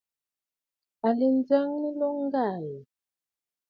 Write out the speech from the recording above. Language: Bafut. À lɛ njəŋnə nloŋ ŋgaa yàà.